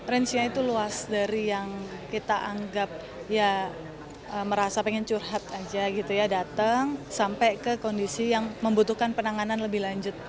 rangkaiannya luas dari yang kita anggap merasa ingin curhat saja datang sampai ke kondisi yang membutuhkan penanganan lebih lanjut